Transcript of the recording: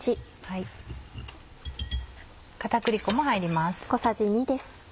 片栗粉も入ります。